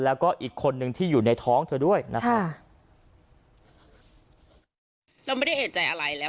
แล้วก็อีกคนนึงที่อยู่ในท้องเธอด้วยนะคะเราไม่ได้เอกใจอะไรแล้ว